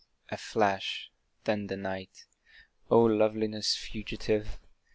A flash then the night.... O loveliness fugitive!